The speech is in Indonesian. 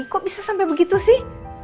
kok bisa sampai begitu sih